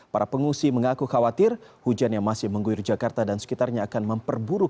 para pengungsi mengaku khawatir hujan yang masih mengguyur jakarta dan sekitarnya akan memperburuk